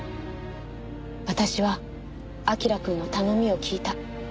私は彬くんの頼みを聞いた。